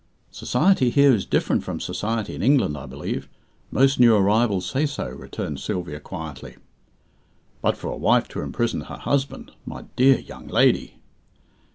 "Society here is different from society in England, I believe. Most new arrivals say so," returned Sylvia quietly. "But for a wife to imprison her husband, my dear young lady!"